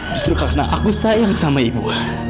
justru karena aku sayang sama ibu